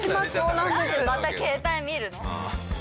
なんでまた携帯見るの？